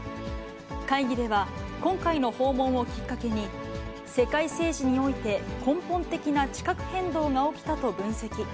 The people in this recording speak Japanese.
会議では、今回の訪問をきっかけに、世界政治において根本的な地殻変動が起きたと分析。